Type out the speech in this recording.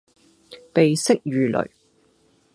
鼻息如雷